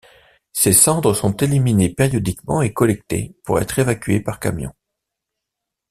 Ces cendres sont éliminées périodiquement et collectées pour être évacuées par camions.